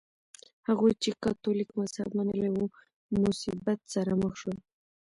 هغوی چې کاتولیک مذهب منلی و مصیبت سره مخ شول.